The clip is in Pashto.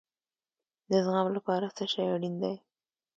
د زغم لپاره څه شی اړین دی؟